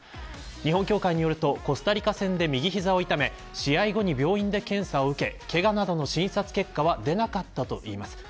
日本協会によるとコスタリカ戦で右膝を痛め試合後に病院で検査を受けけがなどの診察結果は出なかったといいます。